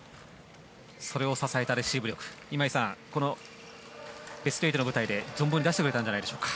それを支えたレシーブ力を今井さんこのベスト８の舞台で存分に出したんじゃないでしょうか。